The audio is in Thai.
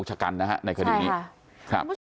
ใช่ค่ะคุณผู้ชมครับ